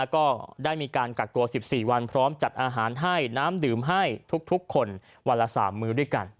ก็ได้มีการกักตัว๑๔วันพร้อมจัดอาหารให้น้ำดื่มให้ทุกคนวันละ๓มื้อด้วยกัน